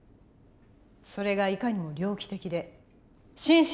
それがいかにも猟奇的で心神